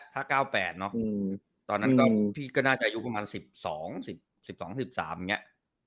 ถ้า๙๘เนอะตอนนั้นก็พี่ก็น่าจะอายุประมาณ๑๒๑๒๑๓อย่างนี้